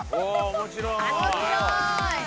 面白い。